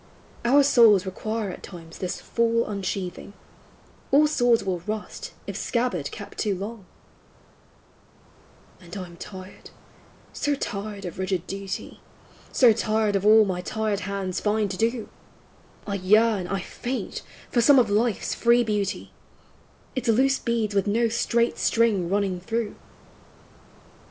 Our smils require at times this foil] unsheathing, — All swords will rust if scabbard kept, too long; And I am tired, — so tired of rigid duty, So tired of all my tired hands And to do! 430 POEMS OF SEXTIMENT. I yearn, I faint, for some of life's free beauty, Its loose beads with no straight string running through.